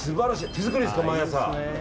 手作りですか、毎朝。